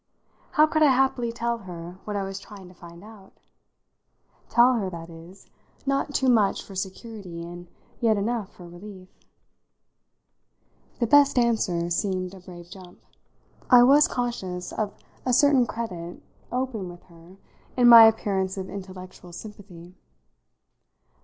How could I happily tell her what I was trying to find out? tell her, that is, not too much for security and yet enough for relief? The best answer seemed a brave jump. I was conscious of a certain credit open with her in my appearance of intellectual sympathy.